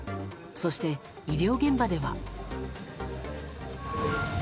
そして、医療現場では。